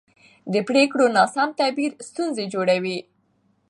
د پرېکړو ناسم تعبیر ستونزې جوړوي